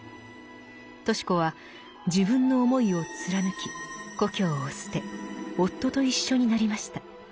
とし子は自分の思いを貫き故郷を捨て夫と一緒になりました。